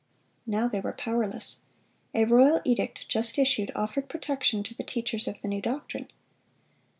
Now they were powerless. A royal edict, just issued, offered protection to the teachers of the new doctrine.